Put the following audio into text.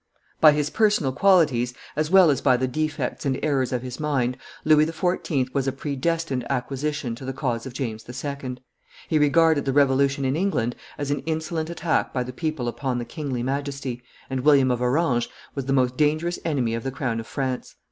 By his personal qualities as well as by the defects and errors of his mind Louis XIV. was a predestined acquisition to the cause of James II.; he regarded the revolution in England as an insolent attack by the people upon the kingly majesty, and William of Orange was the most dangerous enemy of the crown of France.